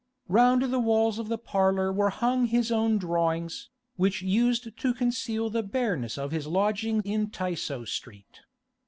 Round the walls of the parlour were hung his own drawings, which used to conceal the bareness of his lodging in Tysoe Street.